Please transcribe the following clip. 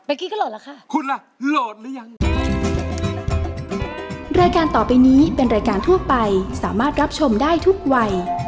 เมื่อกี้ก็โหลดแล้วค่ะ